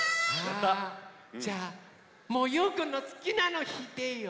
じゃもうゆうくんのすきなのひいていいよ。